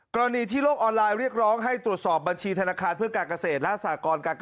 กรณีที่โลกออนไลน์เรียกร้องให้ตรวจสอบบัญชีธนาคารเพื่อการเกษตรและสากร